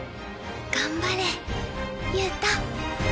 頑張れ憂太。